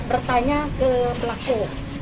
bertanya ke pelaku